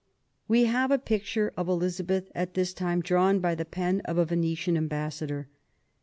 We have a picture of Elizabeth at this time, drawn by the pen of a Venetian ambassador.